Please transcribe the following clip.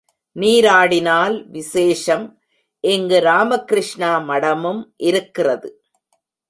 நீராடினால் விசேஷம், இங்கு ராமகிருஷ்ணா மடமும் இருக்கிறது.